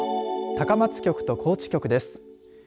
高松局と高知局です。